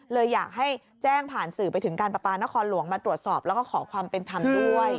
เลยอยากให้แจ้งผ่านสื่อไปถึงการประปานครหลวงมาตรวจสอบแล้วก็ขอความเป็นธรรมด้วย